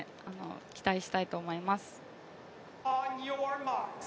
期待したいと思います。